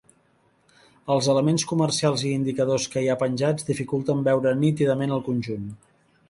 Els elements comercials i indicadors que hi ha penjats dificulten veure nítidament el conjunt.